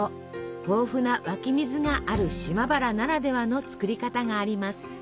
豊富な湧き水がある島原ならではの作り方があります。